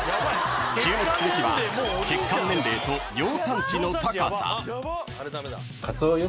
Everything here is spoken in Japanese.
［注目すべきは血管年齢と尿酸値の高さ］